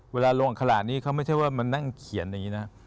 เวลาลงขลาดนี้เขาไม่ใช่ว่ามันนั่งเขียนอย่างนี้นะครับ